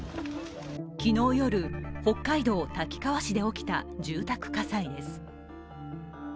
昨日夜、北海道滝川市で起きた住宅火災です。